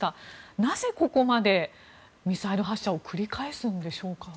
なぜここまでミサイル発射を繰り返すんでしょうか。